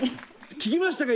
聞きましたか？